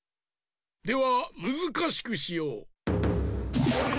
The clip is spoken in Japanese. ではむずかしくしよう。